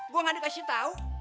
gua gak dikasih tau